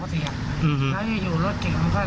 ยินจนว่าเราอยู่ในกล้อง